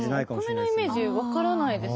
お米のイメージわからないです。